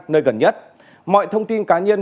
nơi gần nhất mọi thông tin cá nhân